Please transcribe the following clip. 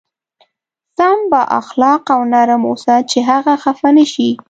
سم با اخلاقه او نرم اوسه چې هغه خفه نه شي.